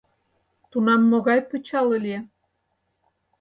Тунам могай пычал ыле?